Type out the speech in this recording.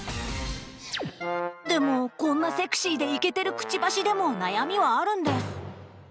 でもこんなセクシーでイケてるクチバシでも悩みはあるんです。